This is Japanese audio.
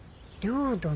「領土」